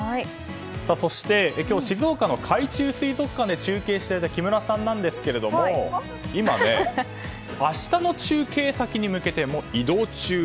そして、今日静岡の海中水族館で中継していた木村さんなんですが今、明日の中継先に向けてもう移動中。